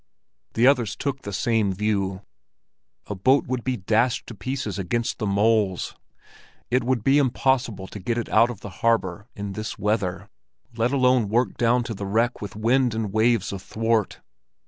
The others took the same view. A boat would be dashed to pieces against the moles. It would be impossible to get it out of the harbor in this weather, let alone work down to the wreck with wind and waves athwart!